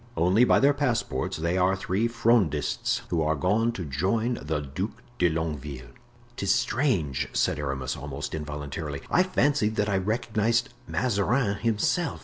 "Only by their passports; they are three Frondists, who are gone to rejoin the Duc de Longueville." "'Tis strange," said Aramis, almost involuntarily; "I fancied that I recognized Mazarin himself."